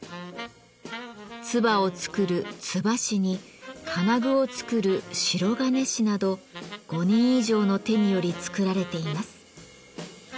鍔を作る「鍔師」に金具を作る「白銀師」など５人以上の手により作られています。